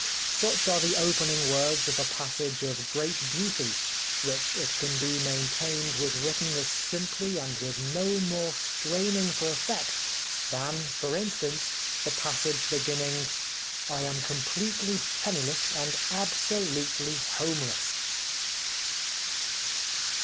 Such are the opening words of a passage of great beauty which it can be maintained was written as simply and with no more straining for effect than, for instance, the passage beginning :" I am completely penniless and absolutely homeless."